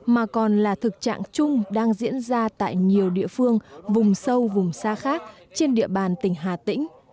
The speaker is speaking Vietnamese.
mà còn là thực trạng chung đang diễn ra tại nhiều địa phương vùng sâu vùng xa khác trên địa bàn tỉnh hà tĩnh